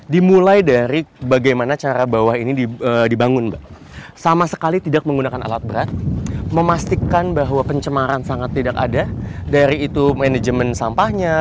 dimulai dari bagaimana cara bawah ini dibangun sama sekali tidak menggunakan alat berat memastikan